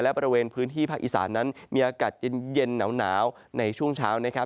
และบริเวณพื้นที่ภาคอีสานนั้นมีอากาศเย็นหนาวในช่วงเช้านะครับ